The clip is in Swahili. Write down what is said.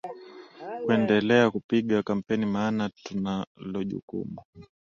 kuendelea kupiga kampeni maana tunalojukumu